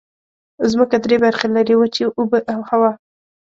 ځمکه درې برخې لري: وچې، اوبه او هوا.